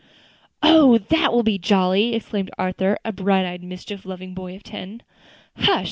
"Oh! that will be jolly!" exclaimed Arthur, a bright eyed, mischief loving boy of ten. "Hush!"